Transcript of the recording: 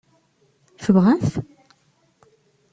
Tebɣa-t?